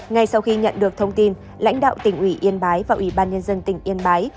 ngay sau khi nhận được thông tin lãnh đạo tỉnh ủy yên bái và ủy ban nhân dân tỉnh yên bái